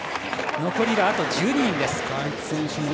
残りがあと１２人です。